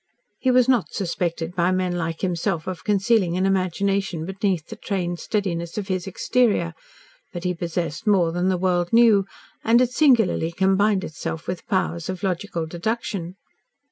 He was not suspected by men like himself of concealing an imagination beneath the trained steadiness of his exterior, but he possessed more than the world knew, and it singularly combined itself with powers of logical deduction.